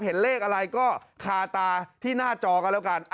เห็นเลขอะไรก็คาตาที่หน้าจอกันแล้วกัน